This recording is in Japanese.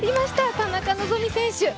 田中希実選手。